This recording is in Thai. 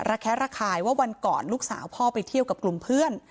แคะระคายว่าวันก่อนลูกสาวพ่อไปเที่ยวกับกลุ่มเพื่อน